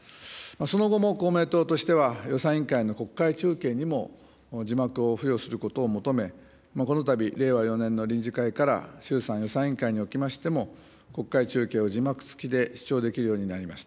その後も公明党としては、予算委員会の国会中継にも字幕を付与することを求め、このたび、令和４年の臨時会から衆参予算委員会におきましても、国会中継を字幕付きで視聴できるようになりました。